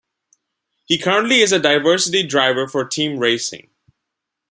He currently is a diversity driver for Team Racing.